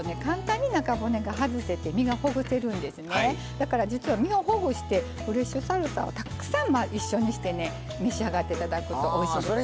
だから実は身をほぐしてフレッシュサルサをたくさん一緒にしてね召し上がって頂くとおいしいです。